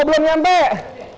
oh belum sampai